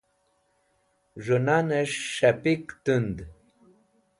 z̃hu nan'esh s̃hapik tund